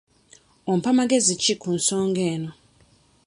Ompa magezi ki ku nsonga eno?